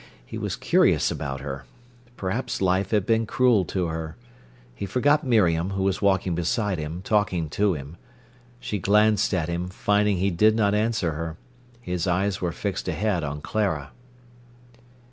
He was curious about her. Perhaps life had been cruel to her. He forgot Miriam, who was walking beside him talking to him. She glanced at him, finding he did not answer her. His eyes were fixed ahead on Clara.